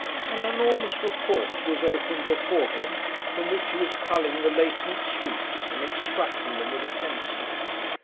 An enormous report was open before him, from which he was culling the latent sweets, and extracting them with a pencil.